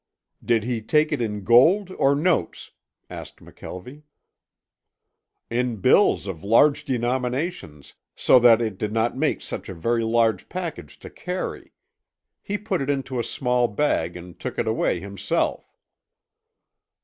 "Did he take it in gold or notes?" asked McKelvie. "In bills of large denominations, so that it did not make such a very large package to carry. He put it into a small bag and took it away himself."